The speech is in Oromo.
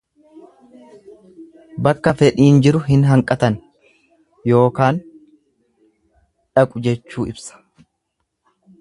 Bakka fedhiin jiru hin hanqatan ykn dhaqu jechuu ibsa.